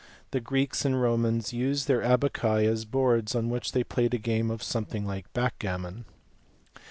The Greeks and Romans used their abaci as boards on which they played a game something like backgammon.